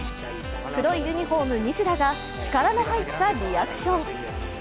黒いユニフォーム、西田が力の入ったリアクション。